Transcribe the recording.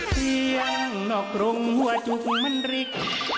เสียงนอกรงหัวจุกมันริก